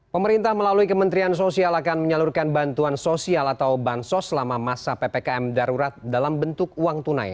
pemerintah melalui kementerian sosial akan menyalurkan bantuan sosial atau bansos selama masa ppkm darurat dalam bentuk uang tunai